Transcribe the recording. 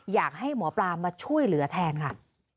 อยากให้หมอปลามาช่วยเหลือแทนค่ะ